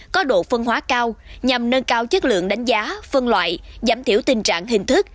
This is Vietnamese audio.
có độ phân hóa cao nhằm nâng cao chất lượng đánh giá phân loại giảm thiểu tình trạng hình thức